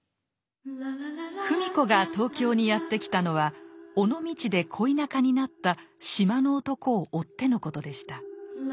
芙美子が東京にやって来たのは尾道で恋仲になった「島の男」を追ってのことでした。